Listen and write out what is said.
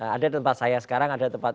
ada tempat saya sekarang ada tempat